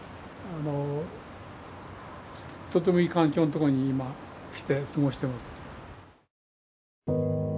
とってもいい環境のとこに今来て過ごしてます。